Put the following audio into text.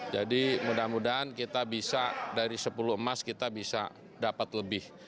jadi mudah mudahan kita bisa dari sepuluh emas kita bisa dapat lebih